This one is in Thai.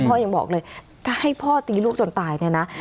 ยังบอกเลยถ้าให้พ่อตีลูกจนตายเนี่ยนะ